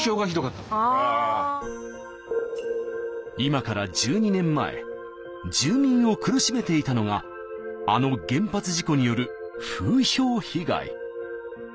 今から１２年前住民を苦しめていたのがあの原発事故による風評被害。